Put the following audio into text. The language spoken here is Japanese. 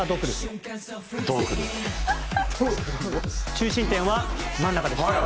中心点は真ん中です。